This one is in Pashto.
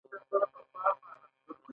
نفت د افغان کورنیو د دودونو مهم عنصر دی.